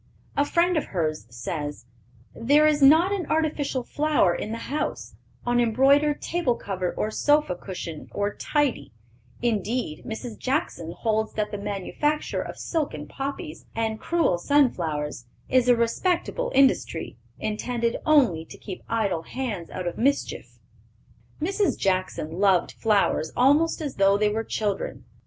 A friend of hers says: "There is not an artificial flower in the house, on embroidered table cover or sofa cushion or tidy; indeed, Mrs. Jackson holds that the manufacture of silken poppies and crewel sun flowers is a 'respectable industry,' intended only to keep idle hands out of mischief." Mrs. Jackson loved flowers almost as though they were children.